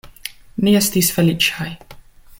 Ni estis feliĉaj.